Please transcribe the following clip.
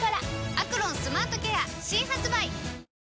「アクロンスマートケア」新発売！